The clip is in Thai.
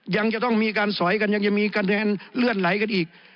ยังจะต้องมีการสอยกันยังจะมีคะแนนเลื่อนไหลกันอีก